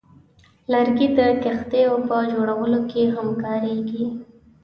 لرګی د کښتیو په جوړولو کې هم کارېږي.